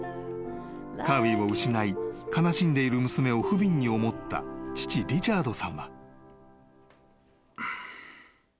［カーウィを失い悲しんでいる娘をふびんに思った父リチャードさんは］